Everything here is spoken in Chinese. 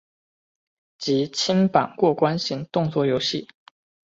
即清版过关型动作游戏。